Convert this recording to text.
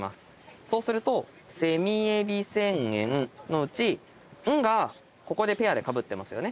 そうすると「せみえび千円」。のうち「ん」がここでペアでかぶってますよね。